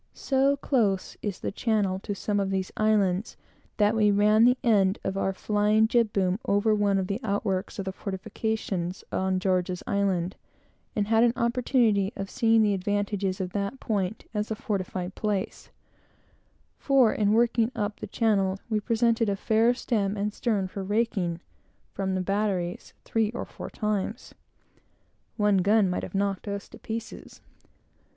So close is the channel to some of these islands, that we ran the end of our flying jib boom over one of the out works of the fortifications on George's Island; and had an opportunity of seeing the advantages of that point as a fortified place; for, in working up the channel, we presented a fair stem and stern, for raking, from the batteries, three or four times. One gun might have knocked us to pieces.